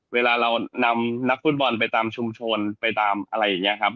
เวลาเรานำนักฟุตบอลไปตามชุมชนไปตามอะไรอย่างนี้ครับ